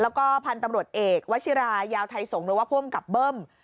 แล้วก็พันธุ์ตำรวจเอกวชิรายาวไทยสงฆ์หรือว่าผู้อำกับเบิ้ม